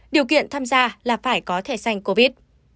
điều kiện tham gia là phải có thẻ xanh covid